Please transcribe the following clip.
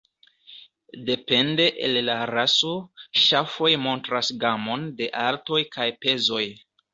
Depende el la raso, ŝafoj montras gamon de altoj kaj pezoj.